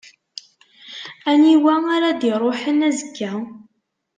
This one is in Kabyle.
Aniwa ara d-iṛuḥen azekka?